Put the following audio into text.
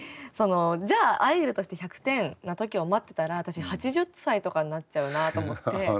じゃあアイドルとして１００点の時を待ってたら私８０歳とかになっちゃうなと思って。